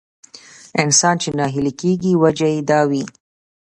انسان چې ناهيلی کېږي وجه يې دا وي.